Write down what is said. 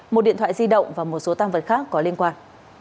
một điện thoại di động và một số tăng vật khác có liên quan